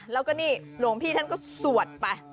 แล้วก็นี่หลวงพี่ท่านก็สวดไป